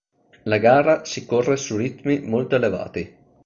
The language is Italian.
La gara si corre su ritmi molto elevati.